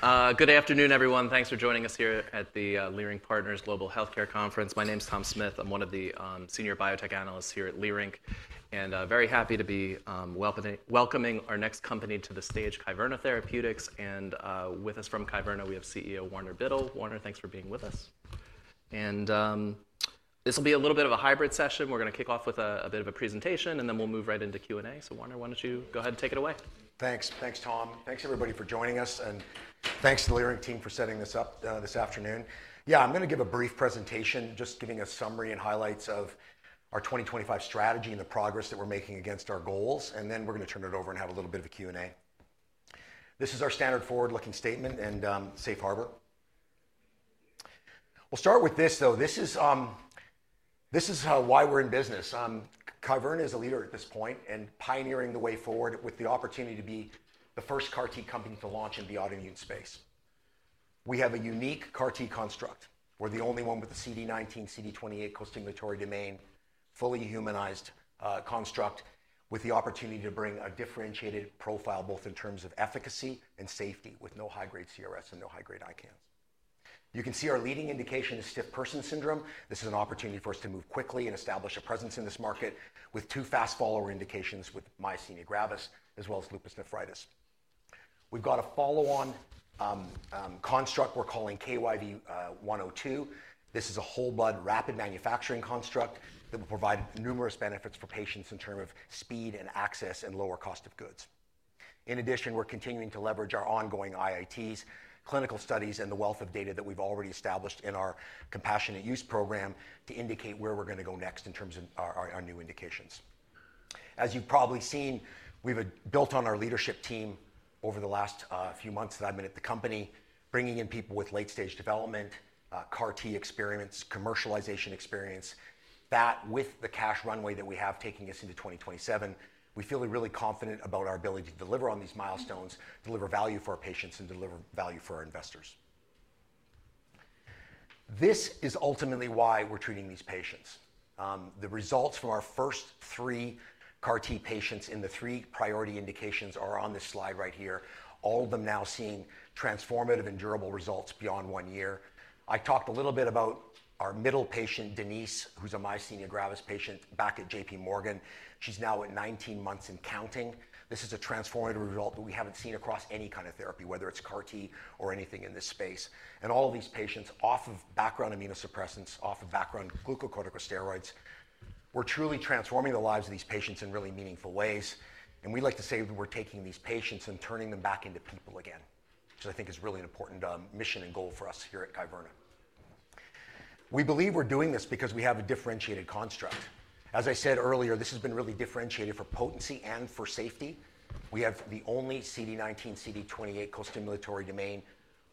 Good afternoon, everyone. Thanks for joining us here at the Leerink Partners Global Healthcare Conference. My name is Tom Smith. I'm one of the senior biotech analysts here at Leerink, and very happy to be welcoming our next company to the stage, Kyverna Therapeutics. With us from Kyverna, we have CEO Warner Biddle. Warner, thanks for being with us. This will be a little bit of a hybrid session. We're going to kick off with a bit of a presentation, and then we'll move right into Q&A. Warner, why don't you go ahead and take it away? Thanks. Thanks, Tom. Thanks, everybody, for joining us. Thanks to the Leerink team for setting this up this afternoon. Yeah, I'm going to give a brief presentation, just giving a summary and highlights of our 2025 strategy and the progress that we're making against our goals. We're going to turn it over and have a little bit of a Q&A. This is our standard forward-looking statement, and safe harbor. We'll start with this, though. This is why we're in business. Kyverna is a leader at this point and pioneering the way forward with the opportunity to be the first CAR-T company to launch in the autoimmune space. We have a unique CAR-T construct. We're the only one with a CD19, CD28, costimulatory domain, fully humanized construct with the opportunity to bring a differentiated profile, both in terms of efficacy and safety, with no high-grade CRS and no high-grade ICANS. You can see our leading indication is stiff person syndrome. This is an opportunity for us to move quickly and establish a presence in this market with two fast-follower indications, with myasthenia gravis, as well as lupus nephritis. We've got a follow-on construct we're calling KYV-102. This is a whole-blood rapid manufacturing construct that will provide numerous benefits for patients in terms of speed and access and lower cost of goods. In addition, we're continuing to leverage our ongoing IITs, clinical studies, and the wealth of data that we've already established in our compassionate use program to indicate where we're going to go next in terms of our new indications. As you've probably seen, we've built on our leadership team over the last few months that I've been at the company, bringing in people with late-stage development, CAR-T experience, commercialization experience. That, with the cash runway that we have taking us into 2027, we feel really confident about our ability to deliver on these milestones, deliver value for our patients, and deliver value for our investors. This is ultimately why we're treating these patients. The results from our first three CAR-T patients in the three priority indications are on this slide right here, all of them now seeing transformative and durable results beyond one year. I talked a little bit about our middle patient, Denise, who's a myasthenia gravis patient back at J.P. Morgan. She's now at 19 months and counting. This is a transformative result that we haven't seen across any kind of therapy, whether it's CAR-T or anything in this space. All of these patients, off of background immunosuppressants, off of background glucocorticosteroids, we're truly transforming the lives of these patients in really meaningful ways. We like to say that we're taking these patients and turning them back into people again, which I think is really an important mission and goal for us here at Kyverna. We believe we're doing this because we have a differentiated construct. As I said earlier, this has been really differentiated for potency and for safety. We have the only CD19, CD28, costimulatory domain,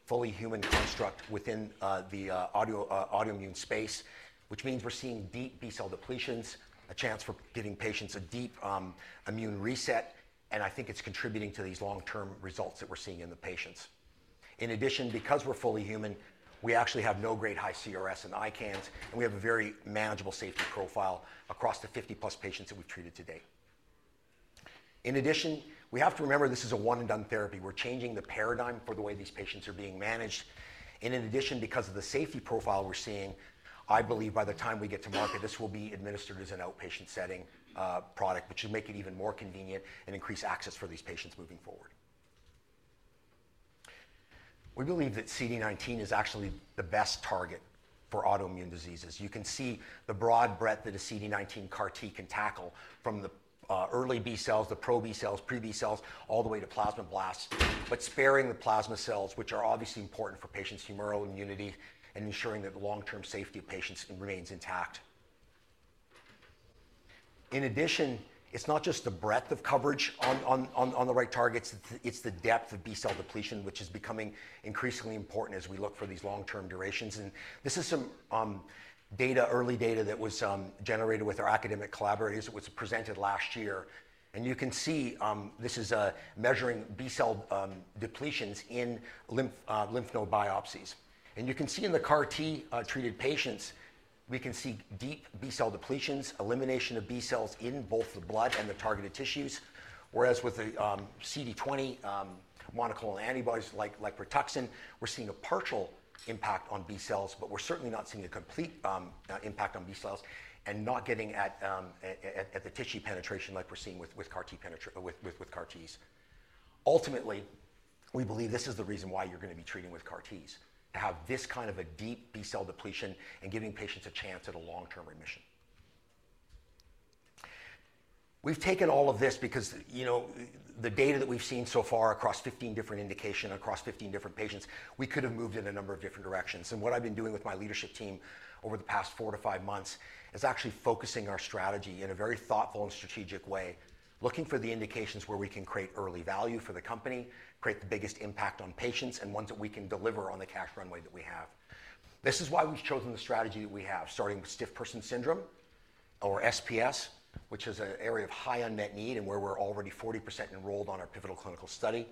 fully human construct within the autoimmune space, which means we're seeing deep B-cell depletions, a chance for giving patients a deep immune reset. I think it's contributing to these long-term results that we're seeing in the patients. In addition, because we're fully human, we actually have no grade high CRS and ICANS, and we have a very manageable safety profile across the 50+ patients that we've treated today. In addition, we have to remember this is a one-and-done therapy. We're changing the paradigm for the way these patients are being managed. In addition, because of the safety profile we're seeing, I believe by the time we get to market, this will be administered as an outpatient setting product, which will make it even more convenient and increase access for these patients moving forward. We believe that CD19 is actually the best target for autoimmune diseases. You can see the broad breadth that a CD19 CAR-T can tackle from the early B-cells, the pro-B cells, pre-B cells, all the way to plasmablasts, but sparing the plasma cells, which are obviously important for patients' humoral immunity and ensuring that the long-term safety of patients remains intact. In addition, it's not just the breadth of coverage on the right targets. It's the depth of B-cell depletion, which is becoming increasingly important as we look for these long-term durations. This is some data, early data that was generated with our academic collaborators. It was presented last year. You can see this is measuring B-cell depletions in lymph node biopsies. You can see in the CAR-T treated patients, we can see deep B-cell depletions, elimination of B-cells in both the blood and the targeted tissues, whereas with the CD20 monoclonal antibodies like Rituxan, we're seeing a partial impact on B-cells, but we're certainly not seeing a complete impact on B cells and not getting at the tissue penetration like we're seeing with CAR-Ts. Ultimately, we believe this is the reason why you're going to be treating with CAR-Ts, to have this kind of a deep B-cell depletion and giving patients a chance at a long-term remission. We've taken all of this because the data that we've seen so far across 15 different indications, across 15 different patients, we could have moved in a number of different directions. What I've been doing with my leadership team over the past four to five months is actually focusing our strategy in a very thoughtful and strategic way, looking for the indications where we can create early value for the company, create the biggest impact on patients, and ones that we can deliver on the cash runway that we have. This is why we've chosen the strategy that we have, starting with stiff person syndrome or SPS, which is an area of high unmet need and where we're already 40% enrolled on our pivotal clinical study,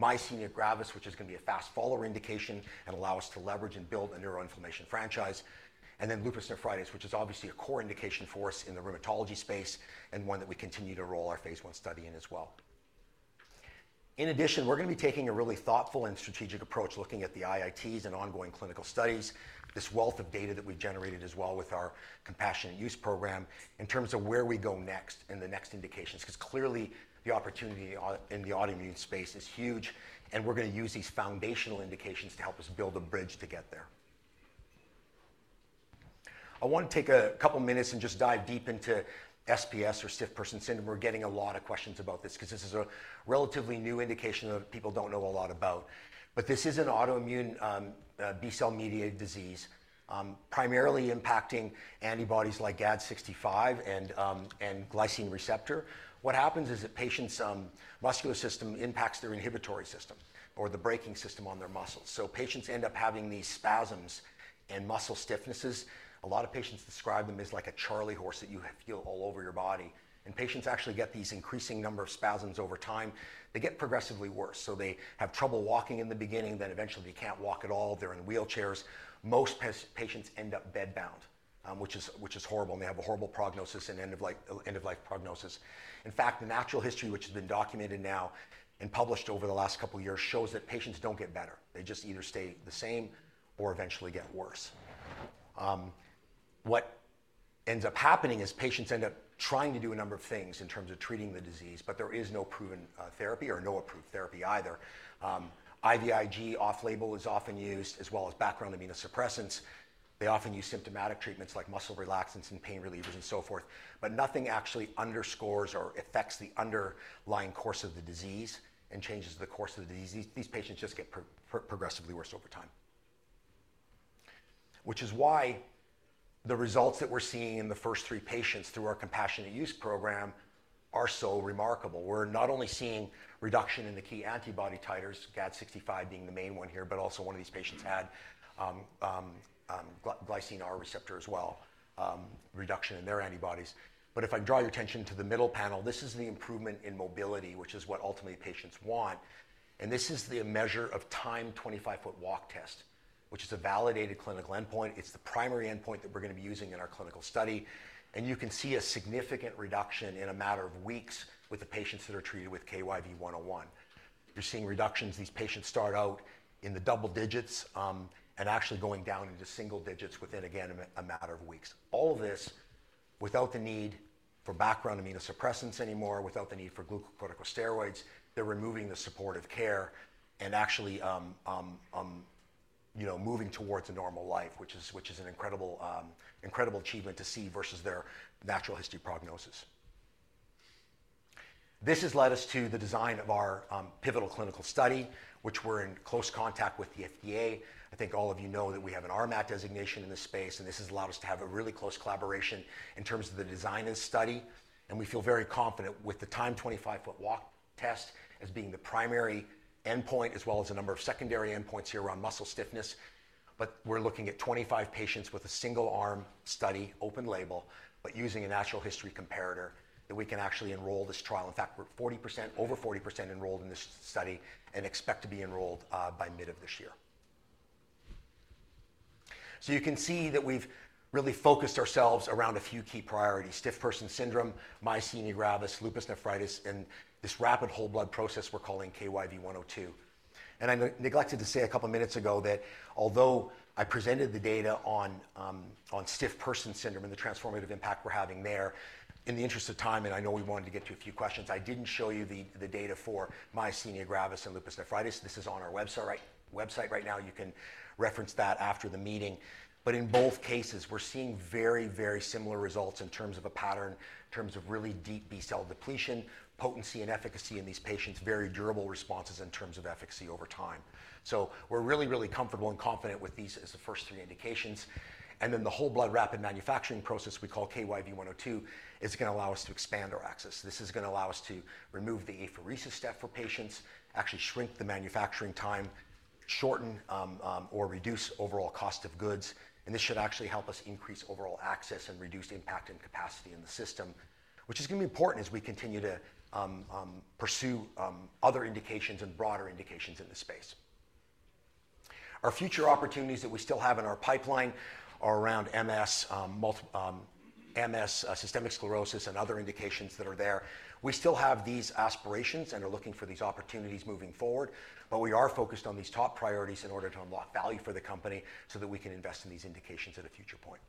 myasthenia gravis, which is going to be a fast-follower indication and allow us to leverage and build a neuroinflammation franchise, and then lupus nephritis, which is obviously a core indication for us in the rheumatology space and one that we continue to roll our phase one study in as well. In addition, we're going to be taking a really thoughtful and strategic approach, looking at the IITs and ongoing clinical studies, this wealth of data that we've generated as well with our compassionate use program in terms of where we go next and the next indications, because clearly the opportunity in the autoimmune space is huge, and we're going to use these foundational indications to help us build a bridge to get there. I want to take a couple of minutes and just dive deep into SPS or stiff person syndrome. We're getting a lot of questions about this because this is a relatively new indication that people don't know a lot about. This is an autoimmune B-cell mediated disease, primarily impacting antibodies like GAD65 and glycine receptor. What happens is that patients' muscular system impacts their inhibitory system or the braking system on their muscles. Patients end up having these spasms and muscle stiffnesses. A lot of patients describe them as like a charley horse that you feel all over your body. Patients actually get these increasing number of spasms over time. They get progressively worse. They have trouble walking in the beginning, then eventually they cannot walk at all. They are in wheelchairs. Most patients end up bedbound, which is horrible, and they have a horrible prognosis and end-of-life prognosis. In fact, the natural history, which has been documented now and published over the last couple of years, shows that patients do not get better. They just either stay the same or eventually get worse. What ends up happening is patients end up trying to do a number of things in terms of treating the disease, but there is no proven therapy or no approved therapy either. IVIg off-label is often used, as well as background immunosuppressants. They often use symptomatic treatments like muscle relaxants and pain relievers and so forth, but nothing actually underscores or affects the underlying course of the disease and changes the course of the disease. These patients just get progressively worse over time, which is why the results that we're seeing in the first three patients through our compassionate use program are so remarkable. We're not only seeing reduction in the key antibody titers, GAD65 being the main one here, but also one of these patients had glycine receptor as well, reduction in their antibodies. If I draw your attention to the middle panel, this is the improvement in mobility, which is what ultimately patients want. This is the measure of Timed 25-Foot Walk test, which is a validated clinical endpoint. It's the primary endpoint that we're going to be using in our clinical study. You can see a significant reduction in a matter of weeks with the patients that are treated with KYV-101. You're seeing reductions. These patients start out in the double digits and actually going down into single digits within, again, a matter of weeks. All of this without the need for background immunosuppressants anymore, without the need for glucocorticosteroids. They're removing the supportive care and actually moving towards a normal life, which is an incredible achievement to see versus their natural history prognosis. This has led us to the design of our pivotal clinical study, which we're in close contact with the FDA. I think all of you know that we have an RMAT designation in this space, and this has allowed us to have a really close collaboration in terms of the design of the study. We feel very confident with the Timed 25-Foot Walk test as being the primary endpoint, as well as a number of secondary endpoints here around muscle stiffness. We are looking at 25 patients with a single-arm study, open label, but using a natural history comparator that we can actually enroll this trial. In fact, we are over 40% enrolled in this study and expect to be enrolled by mid of this year. You can see that we have really focused ourselves around a few key priorities: stiff person syndrome, myasthenia gravis, lupus nephritis, and this rapid whole blood process we are calling KYV-102. I neglected to say a couple of minutes ago that although I presented the data on stiff person syndrome and the transformative impact we're having there, in the interest of time, and I know we wanted to get to a few questions, I didn't show you the data for myasthenia gravis and lupus nephritis. This is on our website right now. You can reference that after the meeting. In both cases, we're seeing very, very similar results in terms of a pattern, in terms of really deep B-cell depletion, potency and efficacy in these patients, very durable responses in terms of efficacy over time. We're really, really comfortable and confident with these as the first three indications. The whole blood rapid manufacturing process we call KYV-102 is going to allow us to expand our access. This is going to allow us to remove the apheresis step for patients, actually shrink the manufacturing time, shorten or reduce overall cost of goods. This should actually help us increase overall access and reduce impact and capacity in the system, which is going to be important as we continue to pursue other indications and broader indications in this space. Our future opportunities that we still have in our pipeline are around MS, systemic sclerosis, and other indications that are there. We still have these aspirations and are looking for these opportunities moving forward, but we are focused on these top priorities in order to unlock value for the company so that we can invest in these indications at a future point.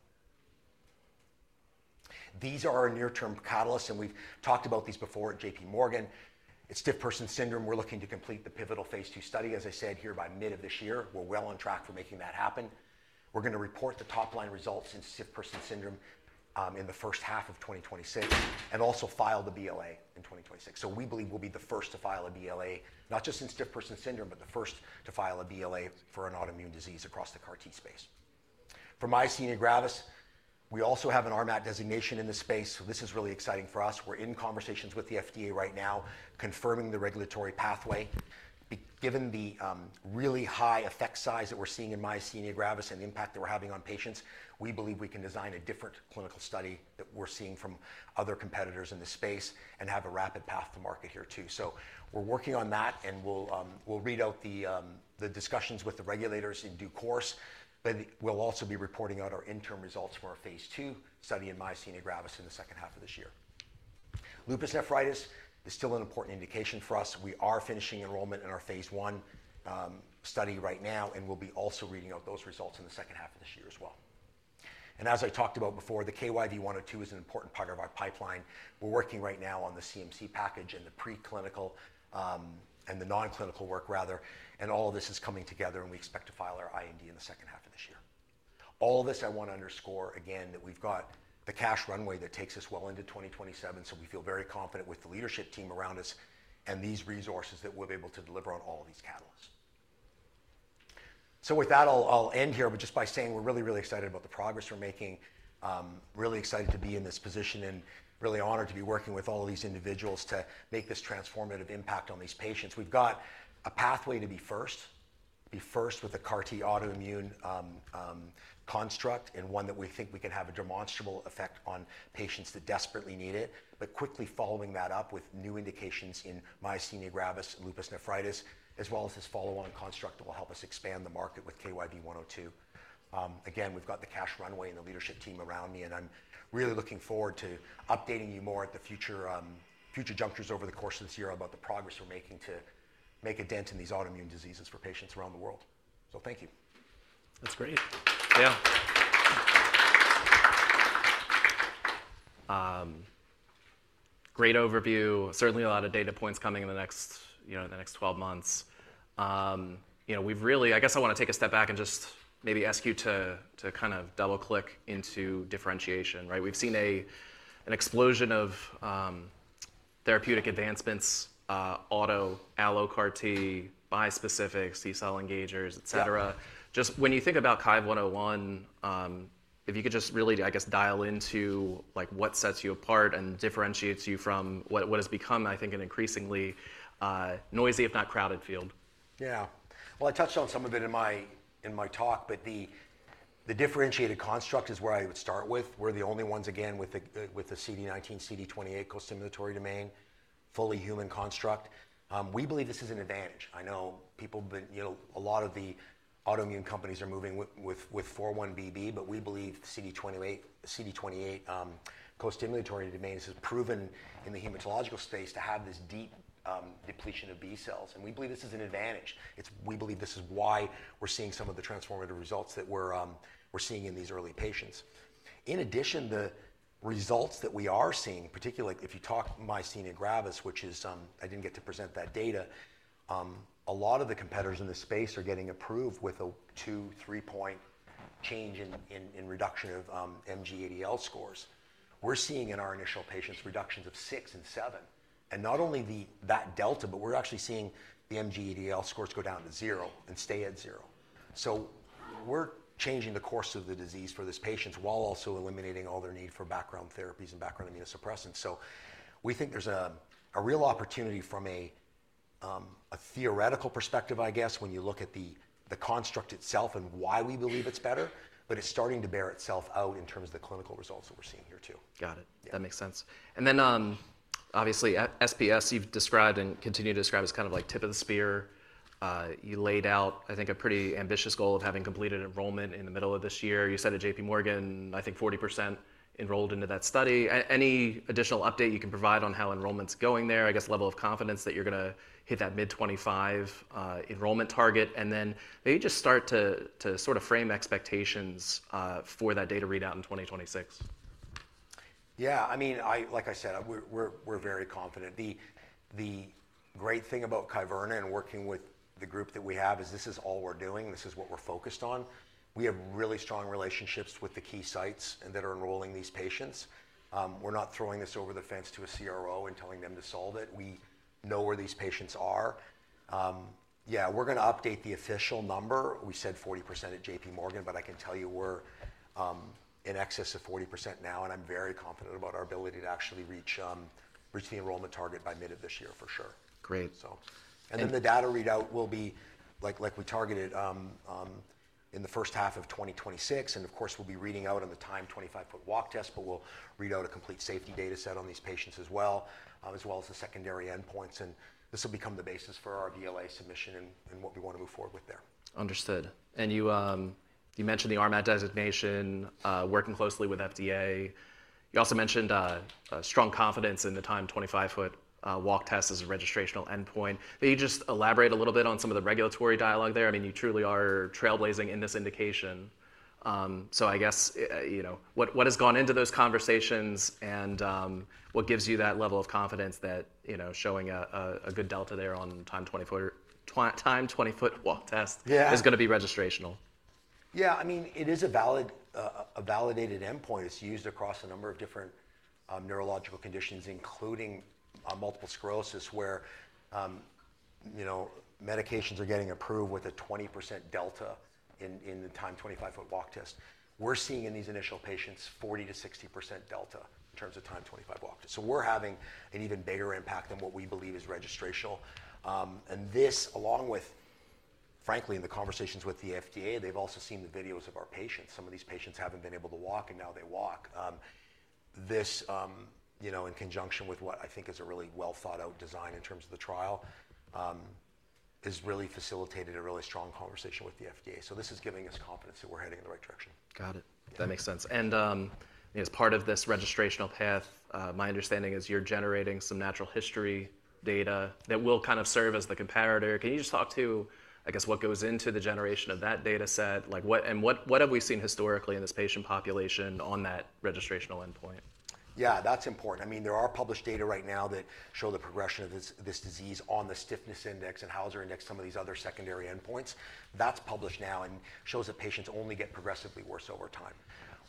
These are our near-term catalysts, and we've talked about these before at J.P. Morgan. It's stiff person syndrome. We're looking to complete the pivotal phase two study, as I said, here by mid of this year. We're well on track for making that happen. We're going to report the top-line results in stiff person syndrome in the first half of 2026 and also file the BLA in 2026. We believe we'll be the first to file a BLA, not just in stiff person syndrome, but the first to file a BLA for an autoimmune disease across the CAR-T space. For myasthenia gravis, we also have an RMAT designation in this space. This is really exciting for us. We're in conversations with the FDA right now, confirming the regulatory pathway. Given the really high effect size that we're seeing in myasthenia gravis and the impact that we're having on patients, we believe we can design a different clinical study than we're seeing from other competitors in this space and have a rapid path to market here too. We are working on that, and we will read out the discussions with the regulators in due course. We will also be reporting out our interim results for our phase two study in myasthenia gravis in the second half of this year. Lupus nephritis is still an important indication for us. We are finishing enrollment in our phase one study right now, and we will be also reading out those results in the second half of this year as well. As I talked about before, the KYV-102 is an important part of our pipeline. We're working right now on the CMC package and the preclinical and the non-clinical work, rather. All of this is coming together, and we expect to file our IND in the second half of this year. I want to underscore again that we've got the cash runway that takes us well into 2027. We feel very confident with the leadership team around us and these resources that we'll be able to deliver on all of these catalysts. I'll end here, just by saying we're really, really excited about the progress we're making, really excited to be in this position and really honored to be working with all of these individuals to make this transformative impact on these patients. We've got a pathway to be first, be first with a CAR-T autoimmune construct and one that we think we can have a demonstrable effect on patients that desperately need it, quickly following that up with new indications in myasthenia gravis and lupus nephritis, as well as this follow-on construct that will help us expand the market with KYV-102. Again, we've got the cash runway and the leadership team around me, and I'm really looking forward to updating you more at the future junctures over the course of this year about the progress we're making to make a dent in these autoimmune diseases for patients around the world. Thank you. That's great. Yeah. Great overview. Certainly a lot of data points coming in the next 12 months. I guess I want to take a step back and just maybe ask you to kind of double-click into differentiation, right? We've seen an explosion of therapeutic advancements, auto allo CAR-T, bispecifics, T-cell engagers, etc. Just when you think about KYV-101, if you could just really, I guess, dial into what sets you apart and differentiates you from what has become, I think, an increasingly noisy, if not crowded, field. Yeah. I touched on some of it in my talk, but the differentiated construct is where I would start with. We're the only ones, again, with the CD19, CD28 co-stimulatory domain, fully human construct. We believe this is an advantage. I know a lot of the autoimmune companies are moving with 4-1BB, but we believe the CD28 co-stimulatory domain has proven in the hematological space to have this deep depletion of B-cells. We believe this is an advantage. We believe this is why we're seeing some of the transformative results that we're seeing in these early patients. In addition, the results that we are seeing, particularly if you talk myasthenia gravis, which is I didn't get to present that data, a lot of the competitors in this space are getting approved with a two, three-point change in reduction of MG-ADL scores. We're seeing in our initial patients reductions of six and seven. Not only that delta, but we're actually seeing the MG-ADL scores go down to zero and stay at zero. We're changing the course of the disease for these patients while also eliminating all their need for background therapies and background immunosuppressants. We think there's a real opportunity from a theoretical perspective, I guess, when you look at the construct itself and why we believe it's better, but it's starting to bear itself out in terms of the clinical results that we're seeing here too. Got it. That makes sense. Obviously SPS, you've described and continue to describe as kind of like tip of the spear. You laid out, I think, a pretty ambitious goal of having completed enrollment in the middle of this year. You said at J.P. Morgan, I think 40% enrolled into that study. Any additional update you can provide on how enrollment's going there, I guess, level of confidence that you're going to hit that mid-2025 enrollment target, and then maybe just start to sort of frame expectations for that data readout in 2026? Yeah. I mean, like I said, we're very confident. The great thing about Kyverna and working with the group that we have is this is all we're doing. This is what we're focused on. We have really strong relationships with the key sites that are enrolling these patients. We're not throwing this over the fence to a CRO and telling them to solve it. We know where these patients are. Yeah, we're going to update the official number. We said 40% at J.P. Morgan, but I can tell you we're in excess of 40% now, and I'm very confident about our ability to actually reach the enrollment target by mid of this year for sure. Great. The data readout will be like we targeted in the first half of 2026. Of course, we'll be reading out on the Timed 25-Foot Walk test, but we'll read out a complete safety data set on these patients as well, as well as the secondary endpoints. This will become the basis for our BLA submission and what we want to move forward with there. Understood. You mentioned the RMAT designation, working closely with FDA. You also mentioned strong confidence in the Timed 25-Foot Walk test as a registrational endpoint. Maybe you just elaborate a little bit on some of the regulatory dialogue there. I mean, you truly are trailblazing in this indication. I guess what has gone into those conversations and what gives you that level of confidence that showing a good delta there on Timed 25-Foot Walk test is going to be registrational? Yeah. I mean, it is a validated endpoint. It's used across a number of different neurological conditions, including multiple sclerosis, where medications are getting approved with a 20% delta in the Timed 25-Foot Walk test. We're seeing in these initial patients 40%-60% delta in terms of Timed 25-Foot Walk test. So we're having an even bigger impact than what we believe is registrational. And this, frankly, in the conversations with the FDA, they've also seen the videos of our patients. Some of these patients haven't been able to walk, and now they walk. This, in conjunction with what I think is a really well-thought-out design in terms of the trial, has really facilitated a really strong conversation with the FDA. This is giving us confidence that we're heading in the right direction. Got it. That makes sense. As part of this registrational path, my understanding is you're generating some natural history data that will kind of serve as the comparator. Can you just talk to, I guess, what goes into the generation of that data set? What have we seen historically in this patient population on that registrational endpoint? Yeah, that's important. I mean, there are published data right now that show the progression of this disease on the stiffness index and Hauser index, some of these other secondary endpoints. That's published now and shows that patients only get progressively worse over time.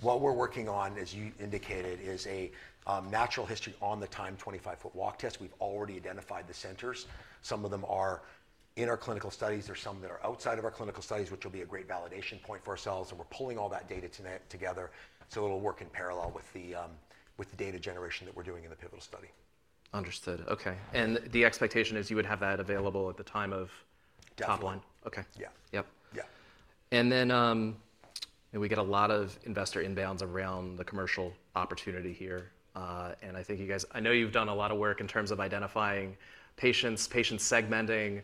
What we're working on, as you indicated, is a natural history on the Timed 25-Foot Walk test. We've already identified the centers. Some of them are in our clinical studies. There's some that are outside of our clinical studies, which will be a great validation point for ourselves. We're pulling all that data together. It will work in parallel with the data generation that we're doing in the pivotal study. Understood. Okay. The expectation is you would have that available at the time of top line? Yeah. Yep. We get a lot of investor inbounds around the commercial opportunity here. I think you guys, I know you've done a lot of work in terms of identifying patients, patient segmenting.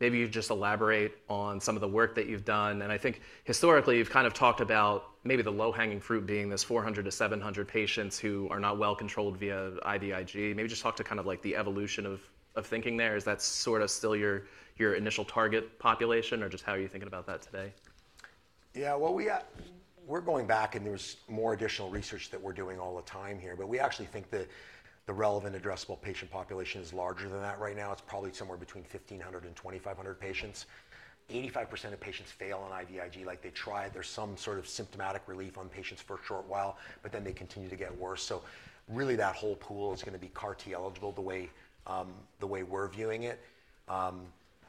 Maybe you just elaborate on some of the work that you've done. I think historically, you've kind of talked about maybe the low-hanging fruit being this 400-700 patients who are not well controlled via IVIG. Maybe just talk to kind of like the evolution of thinking there. Is that sort of still your initial target population or just how are you thinking about that today? Yeah. We're going back, and there's more additional research that we're doing all the time here, but we actually think the relevant addressable patient population is larger than that right now. It's probably somewhere between 1,500 and 2,500 patients. 85% of patients fail on IVIg. Like they tried, there's some sort of symptomatic relief on patients for a short while, but then they continue to get worse. Really that whole pool is going to be CAR-T eligible the way we're viewing it.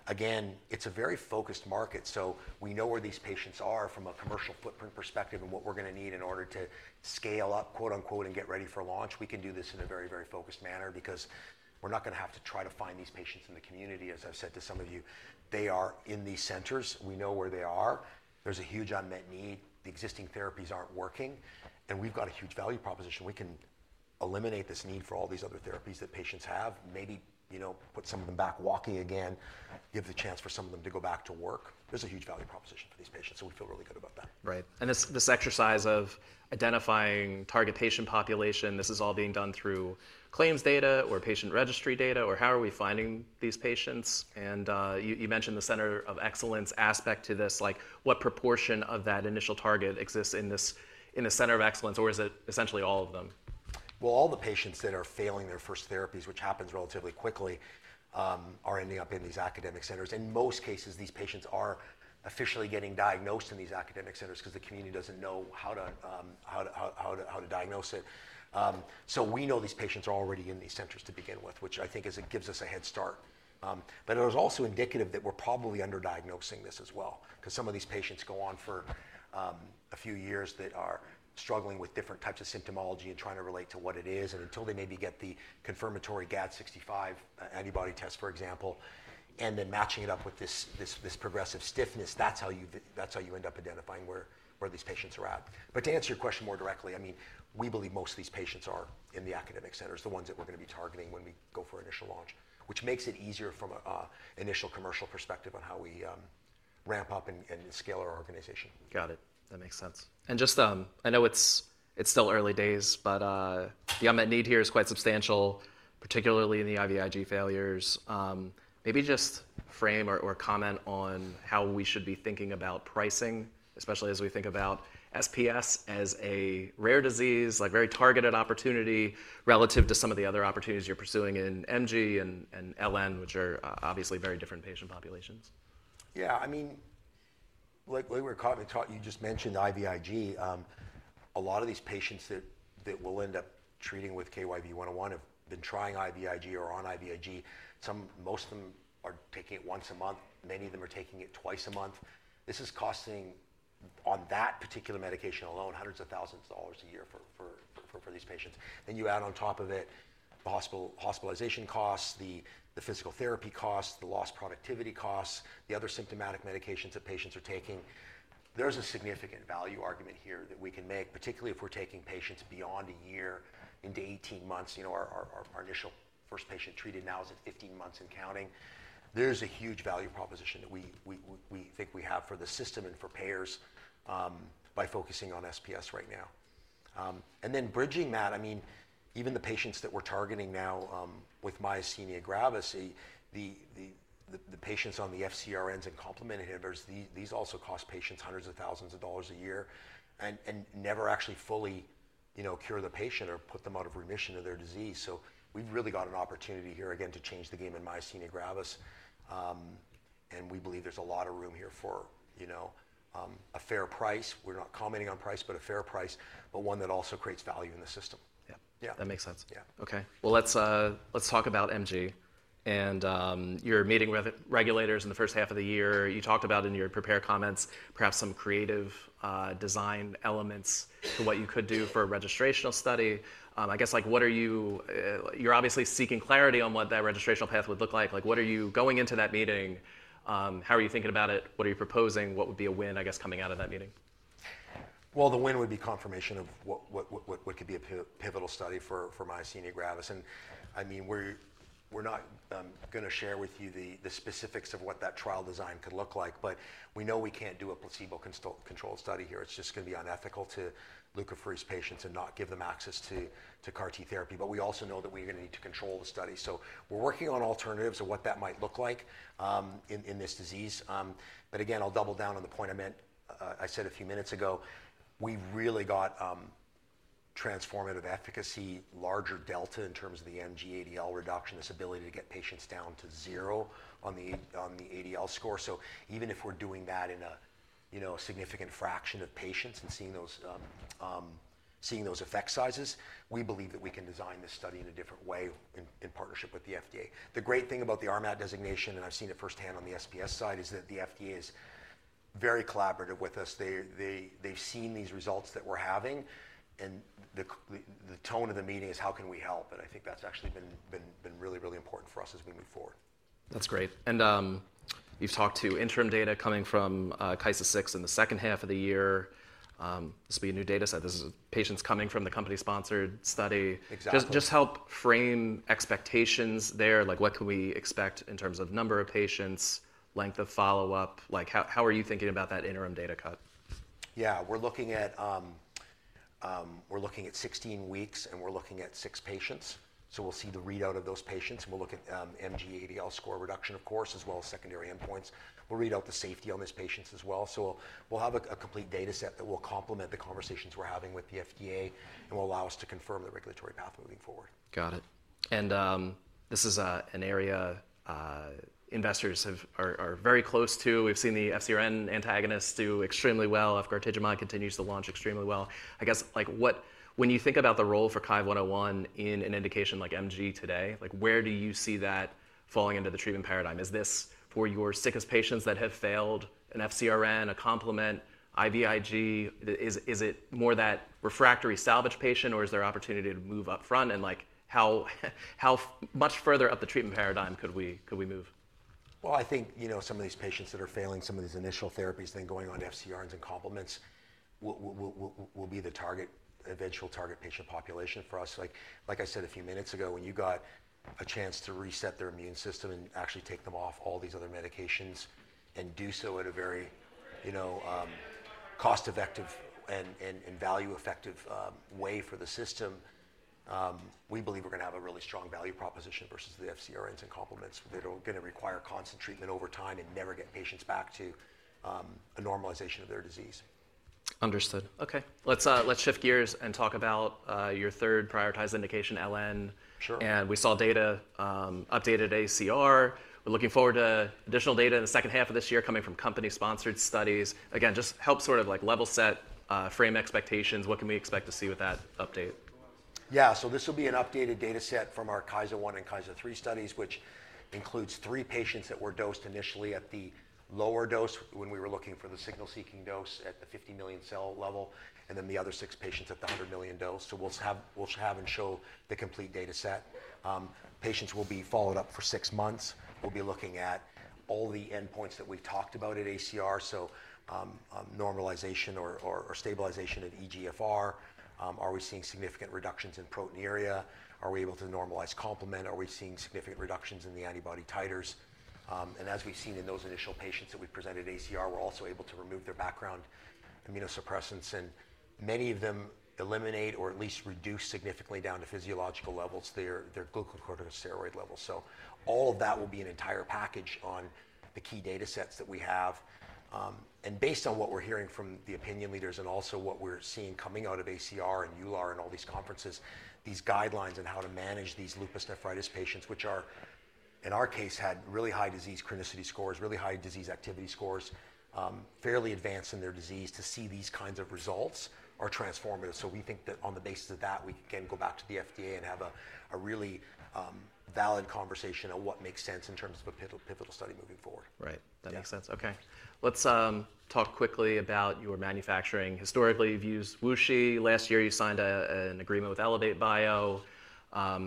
Again, it's a very focused market. We know where these patients are from a commercial footprint perspective and what we're going to need in order to scale up, quote unquote, and get ready for launch. We can do this in a very, very focused manner because we're not going to have to try to find these patients in the community. As I've said to some of you, they are in these centers. We know where they are. There is a huge unmet need. The existing therapies are not working. We have a huge value proposition. We can eliminate this need for all these other therapies that patients have, maybe put some of them back walking again, give the chance for some of them to go back to work. There is a huge value proposition for these patients. We feel really good about that. Right. This exercise of identifying target patient population, this is all being done through claims data or patient registry data, or how are we finding these patients? You mentioned the center of excellence aspect to this. What proportion of that initial target exists in the center of excellence, or is it essentially all of them? All the patients that are failing their first therapies, which happens relatively quickly, are ending up in these academic centers. In most cases, these patients are officially getting diagnosed in these academic centers because the community does not know how to diagnose it. We know these patients are already in these centers to begin with, which I think gives us a head start. It was also indicative that we are probably underdiagnosing this as well because some of these patients go on for a few years that are struggling with different types of symptomology and trying to relate to what it is. Until they maybe get the confirmatory GAD65 antibody test, for example, and then matching it up with this progressive stiffness, that is how you end up identifying where these patients are at. To answer your question more directly, I mean, we believe most of these patients are in the academic centers, the ones that we're going to be targeting when we go for initial launch, which makes it easier from an initial commercial perspective on how we ramp up and scale our organization. Got it. That makes sense. I know it's still early days, but the unmet need here is quite substantial, particularly in the IVIg failures. Maybe just frame or comment on how we should be thinking about pricing, especially as we think about SPS as a rare disease, like very targeted opportunity relative to some of the other opportunities you're pursuing in MG and LN, which are obviously very different patient populations. Yeah. I mean, like we were talking, you just mentioned IVIg. A lot of these patients that will end up treating with KYV-101 have been trying IVIg or on IVIg. Most of them are taking it once a month. Many of them are taking it twice a month. This is costing on that particular medication alone hundreds of thousands of dollars a year for these patients. Then you add on top of it the hospitalization costs, the physical therapy costs, the lost productivity costs, the other symptomatic medications that patients are taking. There's a significant value argument here that we can make, particularly if we're taking patients beyond a year into 18 months. Our initial first patient treated now is at 15 months and counting. There's a huge value proposition that we think we have for the system and for payers by focusing on SPS right now. Then bridging that, I mean, even the patients that we're targeting now with myasthenia gravis, the patients on the FcRns and complement inhibitors, these also cost patients hundreds of thousands of dollars a year and never actually fully cure the patient or put them out of remission of their disease. We have really got an opportunity here again to change the game in myasthenia gravis. We believe there's a lot of room here for a fair price. We're not commenting on price, but a fair price, but one that also creates value in the system. Yeah. That makes sense. Okay. Let's talk about MG. You're meeting regulators in the first half of the year. You talked about in your prepared comments perhaps some creative design elements to what you could do for a registrational study. I guess you are obviously seeking clarity on what that registrational path would look like. What are you going into that meeting? How are you thinking about it? What are you proposing? What would be a win, I guess, coming out of that meeting? The win would be confirmation of what could be a pivotal study for myasthenia gravis. I mean, we're not going to share with you the specifics of what that trial design could look like, but we know we can't do a placebo-controlled study here. It's just going to be unethical to leukapheresis patients and not give them access to CAR-T therapy. We also know that we're going to need to control the study. We're working on alternatives of what that might look like in this disease. Again, I'll double down on the point I said a few minutes ago. We've really got transformative efficacy, larger delta in terms of the MG-ADL reduction, this ability to get patients down to zero on the ADL score. Even if we're doing that in a significant fraction of patients and seeing those effect sizes, we believe that we can design this study in a different way in partnership with the FDA. The great thing about the RMAT designation, and I've seen it firsthand on the SPS side, is that the FDA is very collaborative with us. They've seen these results that we're having. The tone of the meeting is, how can we help? I think that's actually been really, really important for us as we move forward. That's great. You talked to interim data coming from KYSA-6 in the second half of the year. This will be a new data set. This is patients coming from the company-sponsored study. Just help frame expectations there. Like what can we expect in terms of number of patients, length of follow-up? Like how are you thinking about that interim data cut? Yeah. We're looking at 16 weeks, and we're looking at six patients. We'll see the readout of those patients. We'll look at MG-ADL score reduction, of course, as well as secondary endpoints. We'll read out the safety on these patients as well. We'll have a complete data set that will complement the conversations we're having with the FDA and will allow us to confirm the regulatory path moving forward. Got it. This is an area investors are very close to. We've seen the FcRn antagonist do extremely well. If efgartigimod continues to launch extremely well. I guess when you think about the role for KYV-101 in an indication like MG today, where do you see that falling into the treatment paradigm? Is this for your sickest patients that have failed an FcRn, a complement, IVIg? Is it more that refractory salvage patient, or is there opportunity to move upfront? How much further up the treatment paradigm could we move? I think some of these patients that are failing some of these initial therapies, then going on FcRns and complements, will be the eventual target patient population for us. Like I said a few minutes ago, when you got a chance to reset their immune system and actually take them off all these other medications and do so at a very cost-effective and value-effective way for the system, we believe we're going to have a really strong value proposition versus the FcRns and complements. They're going to require constant treatment over time and never get patients back to a normalization of their disease. Understood. Okay. Let's shift gears and talk about your third prioritized indication, LN. We saw data updated at ACR. We're looking forward to additional data in the second half of this year coming from company-sponsored studies. Again, just help sort of level set, frame expectations. What can we expect to see with that update? Yeah. This will be an updated data set from our KYSA-1 and KYSA-3 studies, which includes three patients that were dosed initially at the lower dose when we were looking for the signal-seeking dose at the 50 million cell level, and then the other six patients at the 100 million dose. We will have and show the complete data set. Patients will be followed up for six months. We will be looking at all the endpoints that we have talked about at ACR. Normalization or stabilization of eGFR. Are we seeing significant reductions in proteinuria? Are we able to normalize complement? Are we seeing significant reductions in the antibody titers? As we have seen in those initial patients that we have presented at ACR, we are also able to remove their background immunosuppressants. Many of them eliminate or at least reduce significantly down to physiological levels, their glucocorticosteroid levels. All of that will be an entire package on the key data sets that we have. Based on what we're hearing from the opinion leaders and also what we're seeing coming out of ACR and EULAR and all these conferences, these guidelines on how to manage these lupus nephritis patients, which in our case had really high disease chronicity scores, really high disease activity scores, fairly advanced in their disease, to see these kinds of results are transformative. We think that on the basis of that, we can go back to the FDA and have a really valid conversation on what makes sense in terms of a pivotal study moving forward. Right. That makes sense. Okay. Let's talk quickly about your manufacturing. Historically, you've used WuXi. Last year, you signed an agreement with ElevateBio,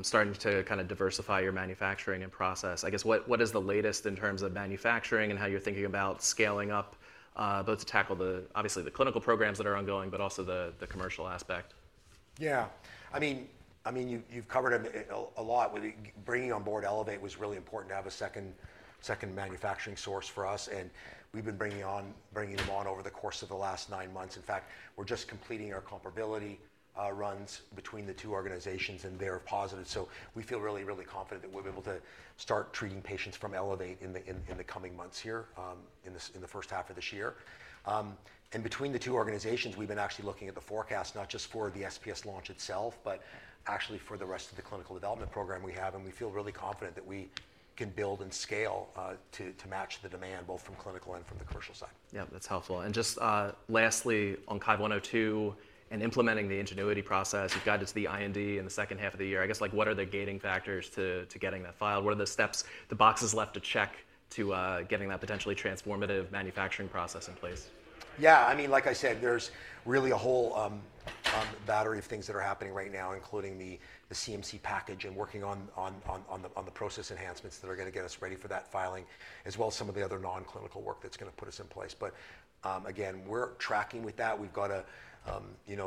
starting to kind of diversify your manufacturing and process. I guess what is the latest in terms of manufacturing and how you're thinking about scaling up both to tackle the, obviously, the clinical programs that are ongoing, but also the commercial aspect? Yeah. I mean, you've covered a lot. Bringing on board Elevate was really important to have a second manufacturing source for us. We've been bringing them on over the course of the last nine months. In fact, we're just completing our comparability runs between the two organizations, and they're positive. We feel really, really confident that we'll be able to start treating patients from Elevate in the coming months here in the first half of this year. Between the two organizations, we've been actually looking at the forecast, not just for the SPS launch itself, but actually for the rest of the clinical development program we have. We feel really confident that we can build and scale to match the demand both from clinical and from the commercial side. Yeah. That's helpful. And just lastly, on KYV-102 and implementing the Ingenui-T process, you've got to the IND in the second half of the year. I guess what are the gating factors to getting that filed? What are the steps, the boxes left to check to getting that potentially transformative manufacturing process in place? Yeah. I mean, like I said, there's really a whole battery of things that are happening right now, including the CMC package and working on the process enhancements that are going to get us ready for that filing, as well as some of the other non-clinical work that's going to put us in place. Again, we're tracking with that. We've got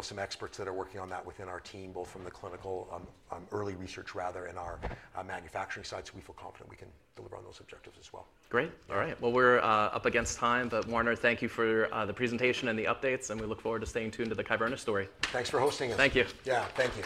some experts that are working on that within our team, both from the clinical, early research rather, and our manufacturing side. We feel confident we can deliver on those objectives as well. Great. All right. We're up against time. Warner, thank you for the presentation and the updates. We look forward to staying tuned to the Kyverna story. Thanks for hosting us. Thank you. Yeah. Thank you.